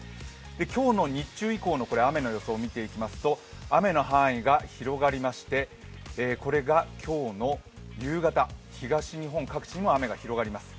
今日の日中以降の雨の予想を見ていきますと、雨の範囲が広がりまして、これが今日の夕方、東日本各地にも雨が広がります。